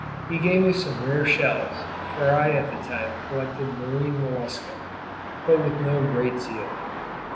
He gave me some rare shells, for I at that time collected marine mollusca, but with no great zeal.